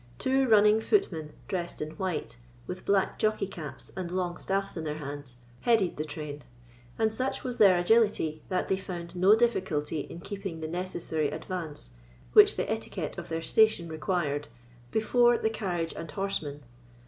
Two running footmen, dressed in white, with black jockey caps, and long staffs in their hands, headed the train; and such was their agility, that they found no difficulty in keeping the necessary advance, which the etiquette of their station required, before the carriage and horsemen.